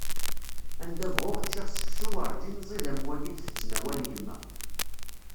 Anda bɣuɣ ččiɣ seksu werǧin ẓid am wagi i d-tettnawal yemma.